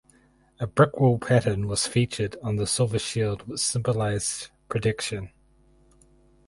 A brick wall pattern was featured on the silver shield which symbolized protection.